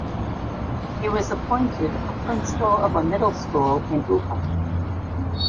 He was appointed a principal of a middle school in Ufa.